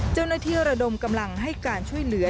เจ้าหน้าเที่ยวระดมกำลังให้การช่วยเหลือ